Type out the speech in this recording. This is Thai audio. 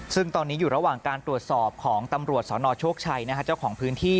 ซึ่งตอนนี้อยู่ระหว่างการตรวจสอบของตำรวจสนโชคชัยเจ้าของพื้นที่